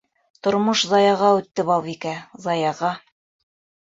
Тормош заяға үтте, Балбикә, заяға!..